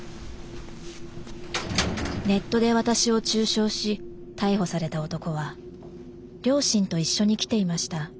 ネットで私を中傷し逮捕された男は両親と一緒に来ていました。